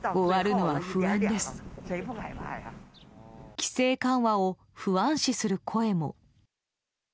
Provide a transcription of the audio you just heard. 規制緩和を不安視する声も。